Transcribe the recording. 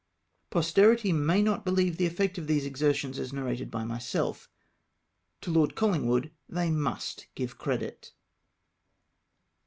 Posterity may not believe the effect of these exertions as narrated by myself. To Lord ColKngwood they 7mist give credit.